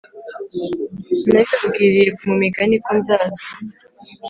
nabibabwiriye mu migani ko nzaza